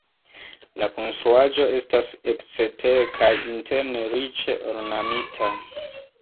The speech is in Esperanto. La konstruaĵo estas ekstere kaj interne riĉe ornamita.